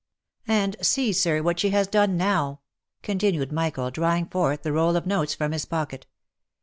And see, sir, what she has done now !" continued Michael, drawing forth the roll of notes from his pocket.